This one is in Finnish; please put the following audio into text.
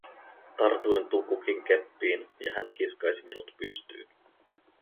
Tartuin Tukukin keppiin ja hän kiskaisi minut pystyyn.